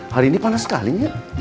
hari ini panas sekali